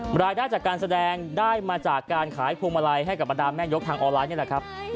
รายได้จากการแสดงได้มาจากการขายพวงมาลัยให้กับบรรดาแม่ยกทางออนไลน์นี่แหละครับ